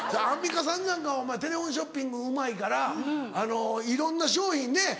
アンミカさんなんかお前テレホンショッピングうまいからいろんな商品ね。